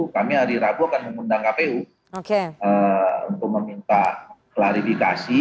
kami hari rabu akan mengundang kpu untuk meminta klarifikasi